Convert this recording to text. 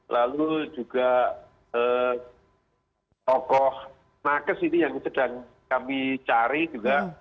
lalu juga tokoh nakes ini yang sedang kami cari juga